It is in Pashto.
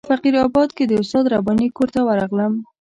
په فقیر آباد کې د استاد رباني کور ته ورغلم.